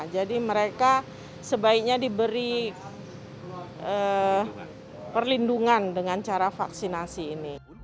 jadi mereka sebaiknya diberi perlindungan dengan cara vaksinasi ini